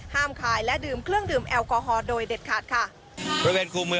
ขายและดื่มเครื่องดื่มแอลกอฮอลโดยเด็ดขาดค่ะ